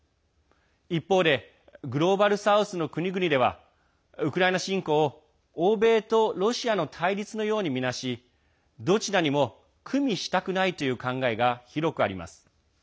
一方でグローバル・サウスの国々ではウクライナ侵攻を、欧米とロシアの対立のようにみなしどちらにも与したくないという考えが広くあります。